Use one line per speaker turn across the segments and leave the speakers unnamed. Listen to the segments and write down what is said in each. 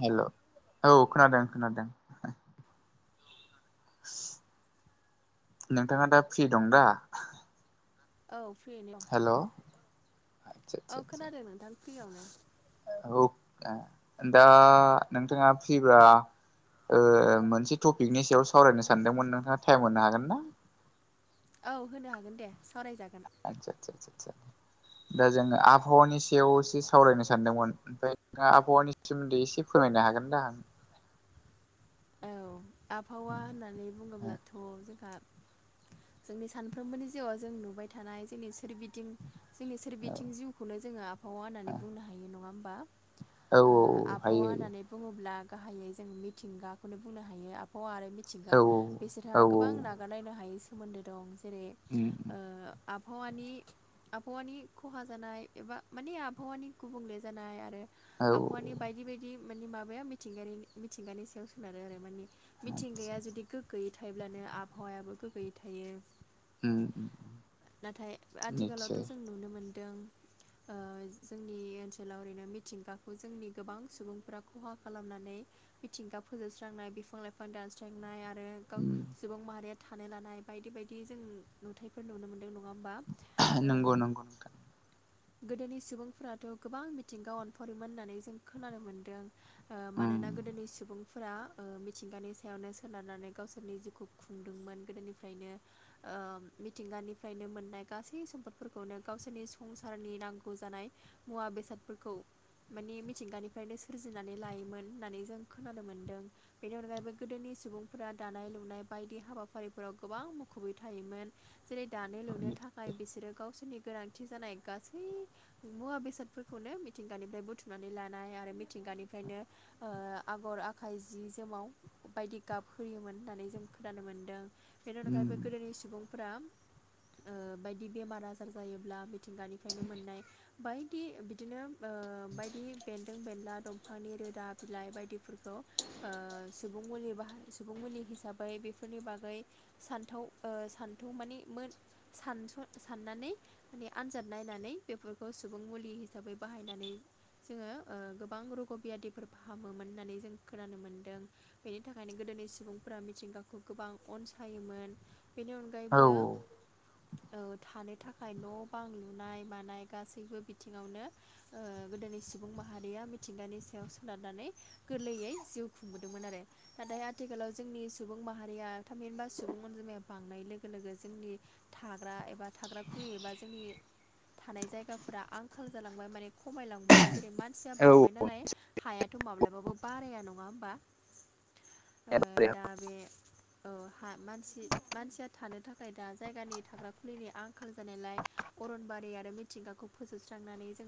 हेल' औ खोनादों खोनादों। नोंथाङा दा फ्रि दं दा?
औ फ्रिनि दं
हेल' आदसा आदसा
औ
आदसा
खोनादों नोंथां फ्रियावनो
दा नोंथाङा फ्रिबा मोनसे टपिकनि सायाव सावरायनो सानदोंमोन नोंथाङा टाइम मोनो हागोन ना
औ होनो हागोन दे सावरायजागोन
आतसा सा सा दा जोङो आबहावानि सायावसो सावरायनो सानदोंमोन ओमफ्राय आबहावानि सोमोन्दै एसे फोरमायनो हागोन दा
औ आबहावा होननानै बुङोब्लाथ' जोंहा जोंनि सानफ्रोमबोनि जिउआव जों नुबाय थानाय जोंनि सोरगिदिं जोंनि
औ
सोरबिथिं जिउखौनो जोङो आबहावा होननानै बुंनो हायो नङा होमबा
औ
आबहावा
हायो
होननानै बुङोब्ला गाहायै जों मिथिंगाखौनो बुंनो हायो आबहावा आरो मिथिंगा
हायो औ औ
बिसोरहा गोबां नागारनायनो हायै सोमोन्दो दं जेरै
उम
आबहावानि आबहावानि खहा जानाय एबा माने आबहावानि गुबुंले जानाय आरो
औ
आबहावानि बायदि बायदि माने माबाया मिथिंगानि मिथिंगानि सायाव सोनारो आरो माने
आदसा
मिथिंगाया जुदि गोग्गोयै थायोब्लानो आबहावायाबो गोग्गोयै थायो
उम
नाथाय आथिखालावथ'
निस्सय
जों नुनो मोनदों ओ जोंनि ओनसोलाव ओरैनो मिथिंगाखौ जोंनि गोबां सुबुंफ खहा खालामनानै मिथिंगा फोजोबस्रांनाय बिफां लाइफां दानस्रांनाय आरो गाव सुबुं माहारिया थानो लानाय बायदि बायदि जों नुथायाइफोर नुनो मोनदों न नङा होमबा ओ
नंगौ नंगौ
गोदोनि सुबुंफोराथ' गोबां मिथिंगा अनफावरिमोन होननानै जों खोनानो मोन्दों ओ मानोना
उम
गोदोनि सुबुं फोर मिथिंगानि सायावनो सोनारनानै गावसोरनि जिउखौ खुंदोंमोन गोदोनिफ्रायनो मिथिंगानिफ्रायनो मोननाय गासै सम्पदफोरखौनो गावसोरनि संसारनि नांगौ जानाय मुवा बेसादफोरखौ माने मिथिंगानिफ्रायनो सोरजिनानै लायोमोन होननानै जों खोनानो मोन्दों बेनि अनगायैबो गोदोनि सुबुंफोरा दानाय लुनाय बायदि हाबाफारिफोराव गोबां मुखुबै थायोमोन जेरै दानो लुनो थाखाय बिसोरो गावसोरनि गोनांथि थि जानाय गासै मुवा बेसादफोरखौनो मिथिंगानिफ्राय बुथुमनानै लानाय आरो मिथिंगानिफ्रायनो आगर आखाइ जि जोमाव बायदि गाब होयोमोन होननानै जों खोनानो मोन्दों बेनि अनगायैबो
उम
गोदोनि सुबुंफोरा बायदि बेमार आजार जायोब्ला बि मिथिंगानिफ्रायनो मोननाय बायदि बिदिनो बायदि बेन्दों बेनला दं बिफांनि रोदा बिलाइ बायदिफोरखौ ओ सुबुं मुलि बाह सुबुं मुलि हिसाबै बेफोरनि बागै सानथाव सानथौ माने सानस साननानै माने आनजाद नायनानै बेफोरखौ सुबुं मुलि हिसाबै बाहायनानै जोङो गोबां रग' बियादिफोर फाहामोमोन होननानै जों खोनानो मोनदों बेनि थाखायनो गोदोनि सुबुंफोरा मिथिंगाखौ गोबां अनसाय थायोमोन बेनि
औ
अनगायैबो
औ।
थानो थाखाय न' बां लुनाय मानाय गासैबो बिथिङावनो गोदोनि सुबुं माहारिया मिथिंगानि सायाव सोनारनानै गोरलैयै जिउ खुंबोदोंमोन आरो नाथाय आथिखालाव जोंनि सुबुं माहारिया थामिनबा सुबुं अनजिमाया बांनाय लोगो लोगो जोंनि थाग्रा एबा थाग्रा खुलि एबा जोंनि थानाय जायगाफोरा आंखाल जालांबाय माने खमायलांबाय जेरै मान सिया
औ।
बांबाय नालाय हायाथ' माब्लाबाबो बाराया नङा होमबा दा बे औ मानसि मानसिया थानो थाखाय दा जायगानि थाग्रा खुलिनि आंखाल जानायलाय अरनबारि आरो मिथिंगाखौ फोजोबस्रांनानै जों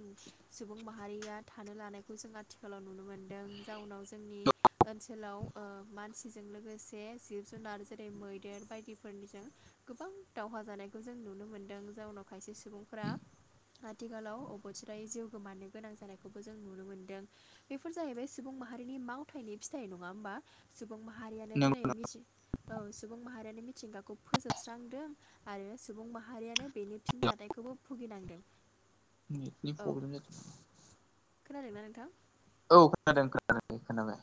सुबुं माहारिया थानो लानायखौ जों आथिखालाव नुनो मोनदों जाउनाव जोंनि ओनसोलाव ओ मानसिजों लोगोसे जिब जुनार जेरै मैदेर बायदिफोरनिजों गोबां दावहा जानायखौ जों नुनो मोनदों जउनाव खायसे सुबुंफोरा आथिखालाव अबथिरायै जिउ गोमानो गोनां जानायखौबो जों नुनो मोन्दों। बेफोर जाहैबाय सुबुं माहारिनि मावथायनि फिथाइ नङा होमबा सुबुं माहारियानो दिनै
नोंगौ
मिथि औ सुबुं माहारियारि मिथिंगाखौ फोजोबस्रांदों। आरो सुबुं माहारियानो बेनि फिनजथायखौबो भुगिनांदों।
[inaudible]
खोनादों ना नोंथां।
औ खोनादों खोनादों खोनादों।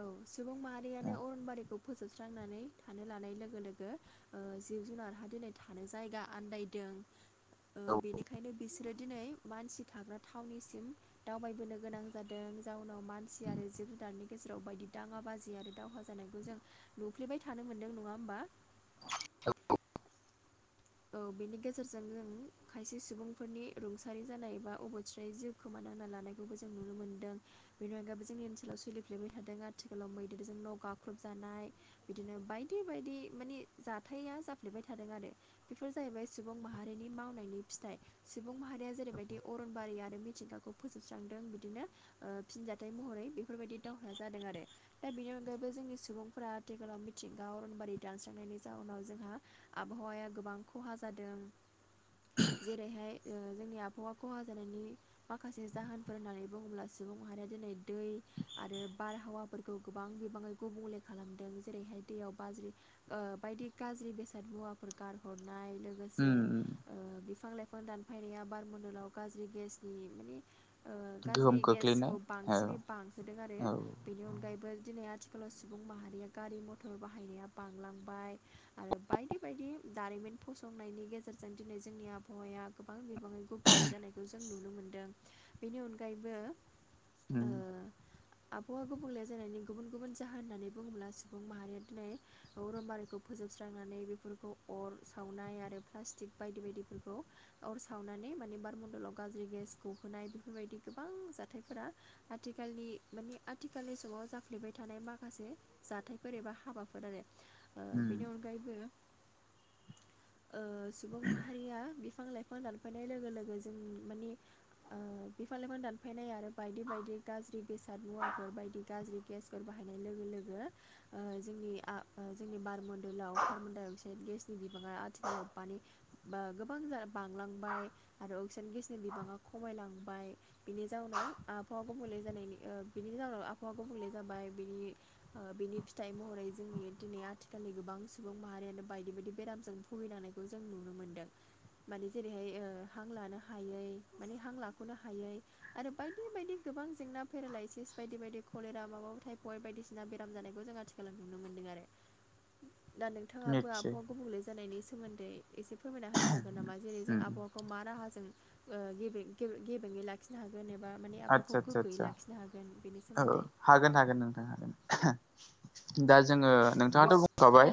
औ सुबुं माहारियानो अरनबारिखौ फोजोबस्रांनानै थानो लानाय लोगो लोगो ओ जिब जुनारहा दिनै थानो जायगा आन्दायदों ओ
औ।
बेनिखायनो बिसोरो दिनै मानसि थाग्रा थावनिसिम। दावबायबोनो गोनां जादों जाउनाव मानसि आरो जिब जुनारनि गेजेराव बायदि दाङा बाजि आरो दावहा जानायखौ जों नुफ्लेबाय थानो मोनदों नङा होमबा।
[unintelligible]
औ बेनि गेजेरजों जों खायसे सुबुंफोरनि रुंसारि जानाय एबा अबथिरायै जिउ खोमानांना लानायखौबो जों नुनो मोनदों। बेनि अनगायबो जोंनि ओनसोलाव सोलिफ्लेबाय थादों आथिखालाव मैदेरजों न' गाख्रुबजानाय। बिदिनो बायदि बायदि माने जाथाया जाफ्लेबाय थादों आरो। बेफोर जाहैबाय सुबुं माहारिनि मावनायनि फिथाइ। सुबुं माहारिया जेरैबायदि अरनबारि आरो मिथिंगाखौ फोजोबस्रांदों बिदिनो ओ फिनजाथाइ महरै बेफोरबायदि दावहाया जादों आरो। दा बेनि अनगायैबो जोंनि सुबुंफोरा आथिखालाव मिथिंगा अरनबारि दानस्रांनायनि जाउनाव जोंहा आबहावाया गोबां खहा जादों जेरैहाय ओ जोंनि आबहावा खहा जानायनि माखासे जाहोनफोर होननानै बुङोब्ला सुबुं माहारिया दिनै दै आरो बारहावाफोरखौ गोबां बिबाङै गुबुंले खालामदों जेरैहाय दैयाव बाज्रि ओ बायदि गाज्रि बेसाद मुवाफोर गारहरनाय लोगोसे
उम उम
ओ बिफां लाइफां दानफायनाया बारमण्डलाव गाज्रि गेसनि माने ओ
गोहोम
गाज्रि
खोख्लैनाय
गेसखौ बांसिनै
औ
बांहोदों आरो
औ
बेनि अनगायैबो दिनै आथिखालाव सुबुं माहारिया गारि मथर बाहायनाया बांलांबाय। आरो बायदि बायदि दारिमिन फसंनायनि गेजेरजों दिनै जोंनि आबहावाया गोबां बिबाङै गुबुंले जानाय खौ जों नुनो मोनदों बेनि अनगायैबो
उम
ओ आबहावा गुबुंले जानायनि गुबुन गुबुन जाहोन होननानै बुङोब्ला सुबुं माहारिया दिनै अरन बारिखौ फोजोबस्रांनानै बेफोरखौ अर सावनाय आरो प्लास्टिक बायदि बायदिफोरखौ अर सावनानै माने बारमन्दलाव गाज्रि गेस गहोनाय बेफोरबायदि गोबां जाथायफोरा आथिखालनि माने आथिखालनि समाव जाफ्लेबाय थानाय माखासे जाथायफोर एबा हाबाफोर आरो ओ
उम।
बेनि अनगायैबो ओ सुबुं माहारिया बिफां लाइफां दानफायनाय लोगो लोगो जों माने ओ बिफां लाइफां दानफायनाय आरो बायदि बायदि गाज्रि बेसाद मुवाफोर बायदि गाज्रि गेस बाहायनाय लोगो लोगो ओ जोंनि ओ जोंनि बार मण्डलाव कार्बन डाइ अक्साइड गेस। बिबाङा आथिखालाव मानि गोबां बांलांबाय आरो अक्सिजेन गेस नि बिबाङा खमायलांबाय। बिनि जाउनाव आबहावा गुबुंले जानायनि ओ बिनि जाउनाव आबहावा गुबुंले जाबाय बिनि ओ बिनि फिथाइ महरै जोंनि दिनै आथिखालनि गोबां सुबुं माहारियानो बायदि बायदि बेरामजों बुगिनांनायखौ जों नुनो मोन्दों। माने जेरैहाय हां लानो हायै माने हां लाख'नो हायै आरो बायदि बायदि गोबां जेंना पेरालाइसिस बायदि बायदि कलेरा माबा माबि थटाइफयड बायदिसिना बेराम जानायखौ जोंहा नुनो मोन्दों आरो।
[inaudible]
दा नोंथाङाबो
निस्सय
आबहावा गुबुंले जानायनि सोमोन्दै एसे फोरमायना होनो हागोन नामा जेरै जों
उम
आबहावा खौ मा राहाजों गेबें गेबेङै लाखि लाखिनो हागोन एबा माने
आदसा
आबाखौ
आदसा
गोग्गोयै
आदसा
लाखिनो हागोन बेनि
औ
सोमोन्दै।
हागोन हागोन नोंथां हागोन। दा जोङो नोंथाङाथ' बुंखाबाय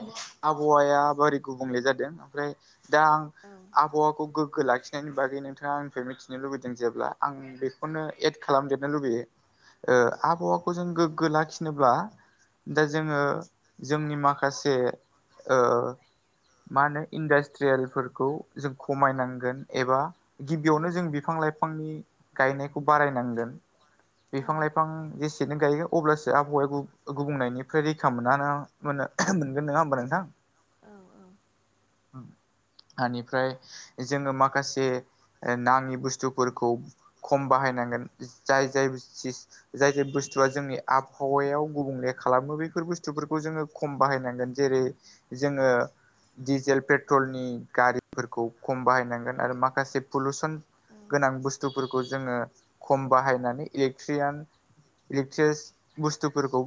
आबहावाया बोरै गुबुंले जादों ओमफ्राय दा
औ
आबहावाखौ गोग्गो लाखिनो नि बागै नोंथाङा आंनिफ्राय मिथिनो लुबैदों जेब्ला आं बेखौनो एड खालामदेरनो लुुबैयो आबहावाखौ जों गोग्गो लाखिनोब्ला दा जोङो जोंनि माखासे ओ मा होनो इन्डास्ट्रियेलफोरखौ जों खमायनांगोन एबा गिबियावनो जों बिफां लाइफांनि गायनायखौ बारायनांगोन
औ
बिफां लाइफां आं जेसेनो गायो अब्लासो आबहावाया गुबुंनायनिफ्राय रैखा मोना मोनो मोनगोन नङा होमबा नोंथां?
औ औ
हानिफ्राय जोङो माखासे नाङि बुस्थुफोरखौ खम बाहायनांगोन जाय जाय जाय जाय बुस्थुआ जोंनि आबहावायाव गुबुंले खालामो बैफोर बुस्थुफोरखौ जोङो खम बाहायखौ जोङो डीजेल पेट्रलनि गारिफोरखौ खम बाहायनांगोन आरो माखासे पलुसन
औ
गोनां बुस्थु बुस्थुफोरखौ जोङो खम बाहायनानै इलेक्ट्रियान इलेक्ट्रिसिस बुस्थुफोरखौ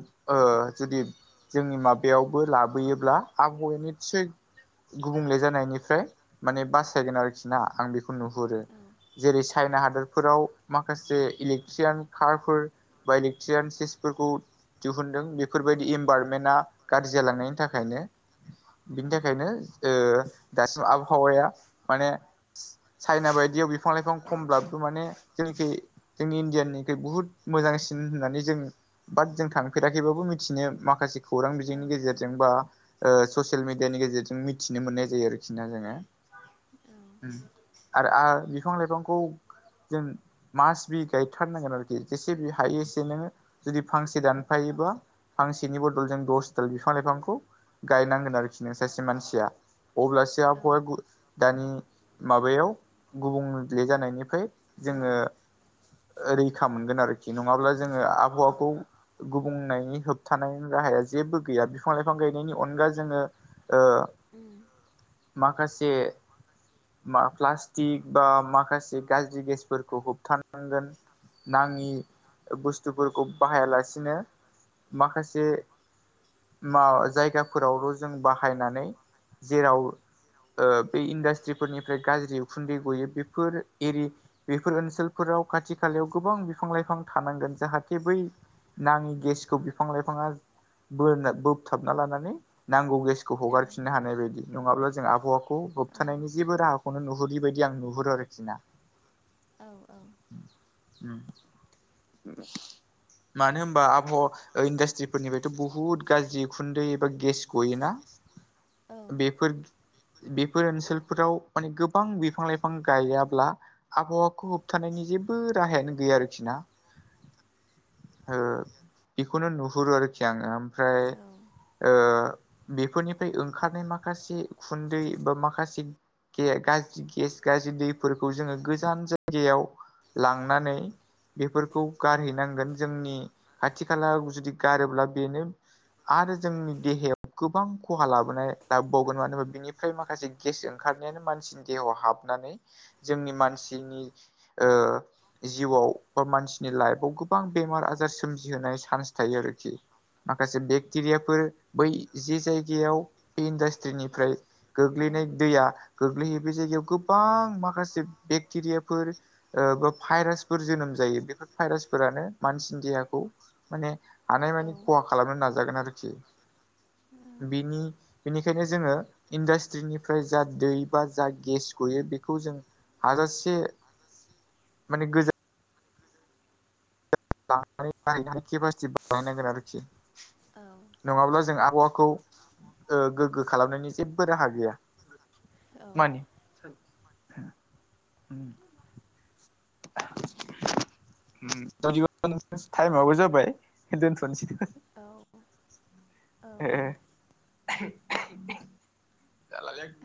जुदि जोंनि माबायावबो लाबोयोब्ला आबहावा निसय गुबुंले जानायनिफ्राय माने बासायगोन आरोखि ना आं बेखौ नुहुरो जेरै चाइना हादरफोराव माखासे इलेक्ट्रिसियान कारफोर बा इलेक्ट्रिसियानसफोरखौ दिहुनदों बेफोरबायदि इनभारनमेन्टा गाज्रि जालांनायनि थाखायनो बिनि थाखायनो ओ दासिम आबहावाया माने चाइना बायदियाव बिफां लाइफां खमब्लाबो माने जोंनिखि जोंनि इण्डियानिफाय बुहुत मोजांसिन होननानै जों बाट जों थांफेराखैबाबो मिथिनो माखासे खौरां
औ
बिजोंनि गेजेरजों बा ओ ससियेल मिडियानि गेजेरजों मिथिनो मोननाय जायो आरोखि ना जोङो।
औ
आरो बिफां लाइफांखौ जों मास बि गायथारनांगोन आरोखि जेसे बे हायो एसे नोङो जुदि फांसे दानफायोबा फांसेनि बदलजों दस दाल बिफां लाइफांखौ गायनांगोन आरोखि नों सासे मानसिया। अब्लासे आबहावाया दानि माबायाव गुबुंले जानायनिफ्राय जोङो रैखा मोनगोन आरोखि नङाब्ला जोङो आबहावाखौ गुबुंनायनि होबथानाय राहाया जेबो गैया बिफां लाइफां गायनायनि अनगा जोङो ओ
ओं
माखासे बा प्लास्टिक बा माखासे गाज्रि गेसफोरखौ होबथानांगोन। नाङि बुस्थुफोरखौ बाहायालासिनो माखासे मा जायगाफोरावल जों बाहायनानै जेराव बे ओ इन्डास्ट्रिफोरनिफ्राय गाज्रि उखुन्दै गयो बेफोर एरि बेफोर ओनसोलफोराव खाथि खालायाव गोबां बिफां लाइफां थानांगोन जाहाथे बै नाङि गेसखौ बिफां लाइफाङा बोन बोबथाबना लानानै नांगौ गेस खौ
औ
हगारफिननो हानाय बायदि नङाब्ला जों आबहावाखौ होबथानायनि
औ
जेबो राहा खौनो नुहरिबायदि आं नुहरो आरोखि ना
औ औ
[unintelligible] मानो होनबा आबहावा ओ इन्डासट्रिफोरनिफ्रायथ बुहुत गाज्रि उखुन्दै एबा गेस गयोना बेफोर बेफोर ओनसोलफोराव माने गोबां बिफां लाइफां गायाब्ला आबहावाखौ होबथानायनि जेबो राहायानो गैया आरोखि ना ओ बेखौनो नुहुरो आरोखि आङो फ्राय ओ बेफोरनिफ्राय ओंखारनाय मा खासे उखुन्दै बा माखासे गे गाज गेस गाज्रि फोरखौ जोङो गोजान जायगायाव लांनानै बेफोरखौ गारहैनांगोन जोंनि खाथि खाला जुदि गारोब्ला बेनो आरो जोंनि देहायाव गोबां खहा लाबोनाय लाबोबावगोन मानो होनबा बिनिफ्राय माखासे गेस ओंखारनायानो मानसिनि देहायाव हाबनानै जोंनि मानसिनि ओ जिउआव बा मानसिनि लाइफआव गोबां बेमार आजार सोमजिहोनाय चान्स थायो आरोखि माखासे बेक्टेरियाफोर बै जे जायगायाव बे इन्डास्ट्रिनिफ्राय गोग्लैनाय दैया गोग्लैयो बे जायगायाव गोबां माखासे बेक्टेरियाफोर ओ बा भाइरासफोर जोनोम जायो बेफोर भाइरासफोरानो मानसिनि देहाखौ माने हानायमानि खहा खालामनो नाजागोन आरोखि बिनि बिनिखायनो जोङो इन्डास्ट्रिनिफ्राय जा दै बा जा गेस गयो बेखौ जों हाजासे माने गोजान बांद्राय [unintelligible] केपासिटी बानायनांगोन आरोखि
औ
नङाब्ला जों आबहावाखौ ओ गोग्गो खालामनायनि जेबो राहा गैया मानि
औ
[unintelligible] टाइमाबबो जाबाय दोनथ नोसै
औ
ओ
दे
ओ जालालै